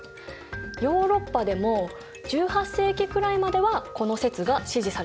ヨーロッパでも１８世紀くらいまではこの説が支持されていたんだ。